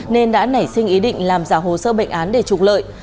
nên đã nảy sinh ý định làm giả hồ sơ bệnh án để trục lợi